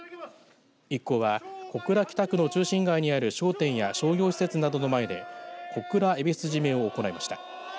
一行は小倉北区の中心街にある商店や商業施設などの前で小倉ゑびす締めを行いました。